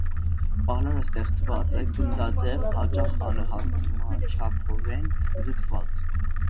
Պալարը սեղմված է, գնդաձև, հաճախ անհամաչափորեն ձգված։